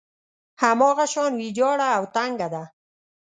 هماغه شان ويجاړه او تنګه ده.